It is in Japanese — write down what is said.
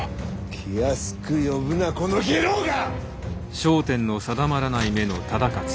気安く呼ぶなこの下郎が！